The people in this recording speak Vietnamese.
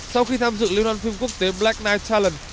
sau khi tham dự lươn phim quốc tế black night challenge